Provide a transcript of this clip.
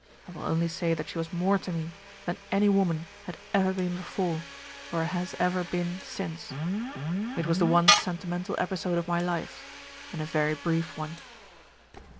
I will only say that she was more to me than any woman had ever been before, or has ever been since. It was the one sentimental episode of my life, and a very brief one.